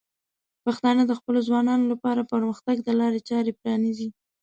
پښتانه د خپلو ځوانانو لپاره پرمختګ ته لارې چارې پرانیزي.